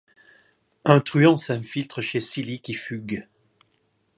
Un truand s'infiltre chez Silly qui fugue.